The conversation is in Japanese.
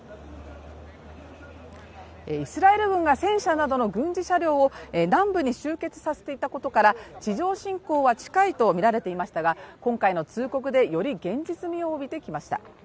イスラエル軍が戦車などの軍事車両を南部に集結させていたことから地上侵攻は近いとみられていましたが今回の通告で、より現実味を帯びてきました。